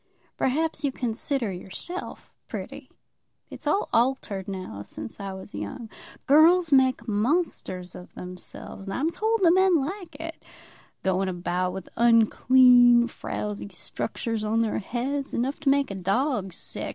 "Perhaps you consider yourself pretty. It's all altered now since I was young. Girls make monsters of themselves, and I'm told the men like it; going about with unclean, frowsy structures on their heads, enough to make a dog sick.